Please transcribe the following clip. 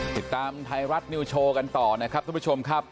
ติดตามไทยรัฐนิวโชว์กันต่อนะครับทุกผู้ชมครับ